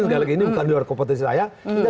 sekali lagi ini bukan di luar kompetisi saya